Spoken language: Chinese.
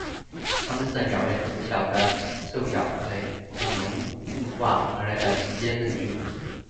它们是鸟类从小型的兽脚类恐龙进化而来的直接证据。